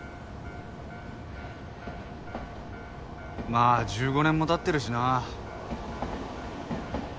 まあ１５年も経ってるしな。